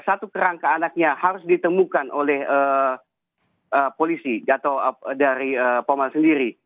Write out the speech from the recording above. satu kerangka anaknya harus ditemukan oleh polisi atau dari paman sendiri